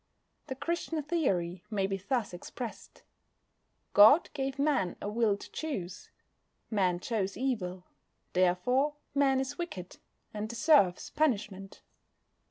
The Christian theory may be thus expressed: God gave Man a will to choose. Man chose evil, therefore Man is wicked, and deserves punishment.